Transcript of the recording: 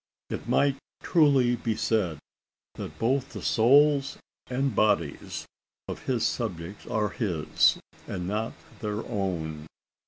It might truly be said, that both the souls and bodies of his subjects are his, and not their own.